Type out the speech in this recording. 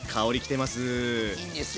いいんですよ。